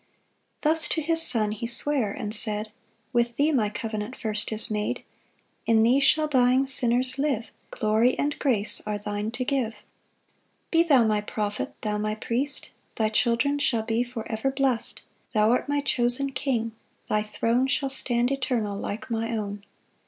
2 Thus to his Son he sware, and said, "With thee my covenant first is made; "In thee shall dying sinners live, "Glory and grace are thine to give. 3 "Be thou my prophet, thou my priest; "Thy children shall be ever blest; "Thou art my chosen king; thy throne "Shall stand eternal like my own.